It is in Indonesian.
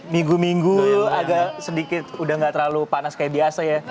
minggu minggu agak sedikit udah gak terlalu panas kayak biasa ya